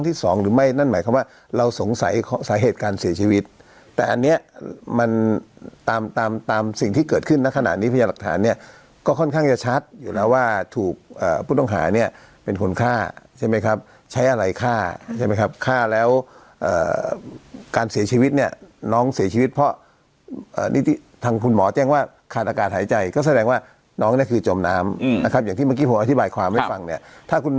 ที่สองหรือไม่นั่นหมายความว่าเราสงสัยสาเหตุการเสียชีวิตแต่อันเนี้ยมันตามตามตามสิ่งที่เกิดขึ้นนะขนาดนี้พญานหลักฐานเนี้ยก็ค่อนข้างจะชัดอยู่แล้วว่าถูกเอ่อพุทธองหาเนี้ยเป็นคนฆ่าใช่ไหมครับใช้อะไรฆ่าใช่ไหมครับฆ่าแล้วการเสียชีวิตเนี้ยน้องเสียชีวิตเพราะนี่ที่ทางคุณหมอแจ้งว่าข